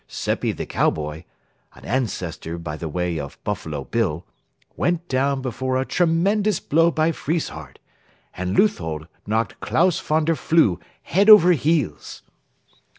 Seppi the cowboy (an ancestor, by the way, of Buffalo Bill) went down before a tremendous blow by Friesshardt, and Leuthold knocked Klaus von der Flue head over heels.